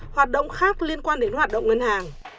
hoạt động khác liên quan đến hoạt động ngân hàng